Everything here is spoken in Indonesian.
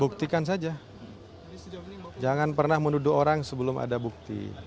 buktikan saja jangan pernah menuduh orang sebelum ada bukti